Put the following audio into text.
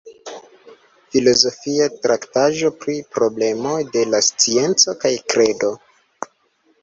Filozofia traktaĵo pri problemoj de la scienco kaj kredo.